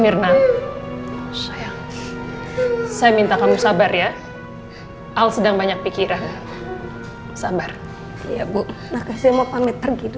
mirna sayang saya minta kamu sabar ya al sedang banyak pikiran sabar ya bu